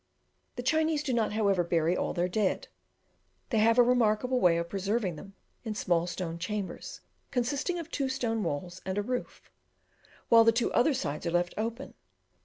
The Chinese do not, however, bury all their dead: they have a remarkable way of preserving them in small stone chambers, consisting of two stone walls and a roof, while the two other sides are left open.